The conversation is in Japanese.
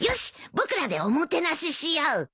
僕らでおもてなししよう。